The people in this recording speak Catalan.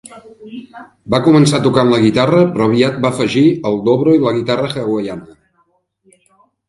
Va començar tocant la guitarra, però aviat va afegir el dobro i la guitarra hawaiana.